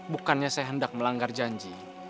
bukannya saya hendak melanggar janji